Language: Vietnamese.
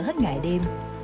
hết ngày đêm